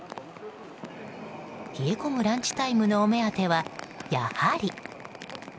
冷え込むランチタイムのお目当てはやはり。